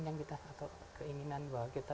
yang kita keinginan bahwa kita